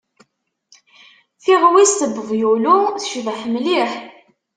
Tiɣwist n wevyulu tecbeḥ mliḥ.